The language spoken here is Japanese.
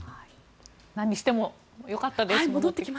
なんにしてもよかったです。